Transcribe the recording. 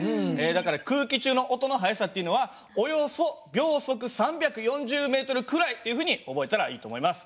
だから空気中の音の速さっていうのはおよそ秒速３４０ｍくらいっていうふうに覚えたらいいと思います。